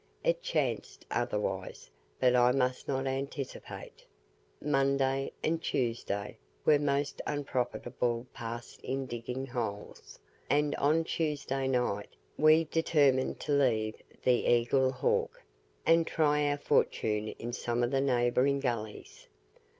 It chanced otherwise; but I must not anticipate. Monday and Tuesday were most unprofitably passed in digging holes; and on Tuesday night we determined to leave the Eagle Hawk, and try our fortune in some of the neighbouring gullies.